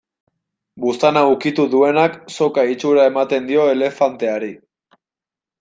Buztana ukitu duenak, soka itxura ematen dio elefanteari.